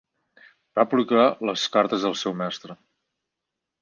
Va publicar les cartes del seu mestre.